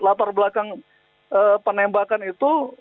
latar belakang penembakan itu